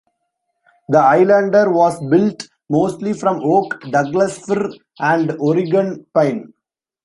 The "Islander" was built mostly from oak, Douglas fir, and Oregon pine.